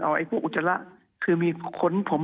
เอาไอ้พวกอุจจาระคือมีคนผม